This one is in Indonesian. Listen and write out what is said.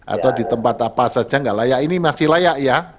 atau di tempat apa saja nggak layak ini masih layak ya